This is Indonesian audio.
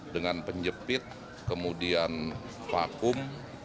dengan penjepit kemudian vakum